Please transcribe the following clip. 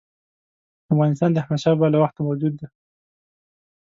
افغانستان د احمدشاه بابا له وخته موجود دی.